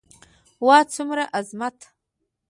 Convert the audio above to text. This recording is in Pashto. واه څومره عظمت.